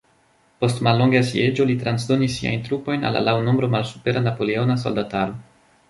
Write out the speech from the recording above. Post mallonga sieĝo, li transdonis siajn trupojn al la laŭ nombro malsupera napoleona soldataro.